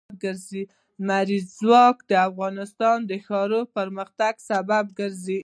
لمریز ځواک د افغانستان د ښاري پراختیا سبب کېږي.